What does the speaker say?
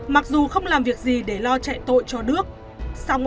mặc dù không làm việc gì để làm